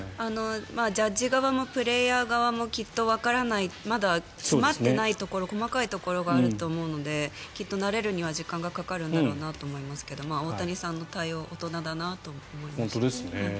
ジャッジ側もプレーヤー側もきっとわからないまだ詰まってないところ細かいところがあると思うので慣れるのには時間がかかるのかなと思いますけど大谷さんの対応大人だなと思います。